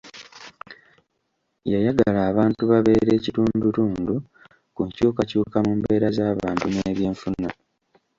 Yayagala abantu babeere kitundutundu ku nkyukakyuka mu mbeera z'abantu n'eby'enfuna.